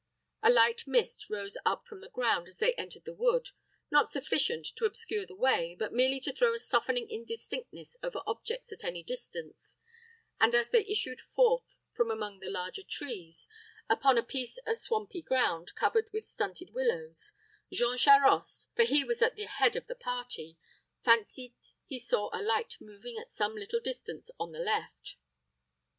A light mist rose up from the ground as they entered the wood, not sufficient to obscure the way, but merely to throw a softening indistinctness over objects at any distance, and, as they issued forth from among the larger trees, upon a piece of swampy ground, covered with stunted willows, Jean Charost, for he was at the head of the party, fancied he saw a light moving along at some little distance on the left.